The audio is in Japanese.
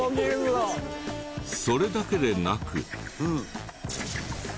それだけでなく。